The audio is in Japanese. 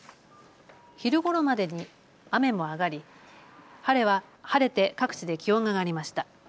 昼ごろまでに雨も上がり、晴れて各地で気温が上がりました。